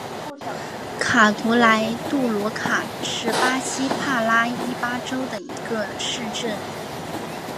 卡图莱杜罗卡是巴西帕拉伊巴州的一个市镇。